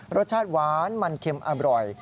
รสชาติหวานมันเค็มอร่อย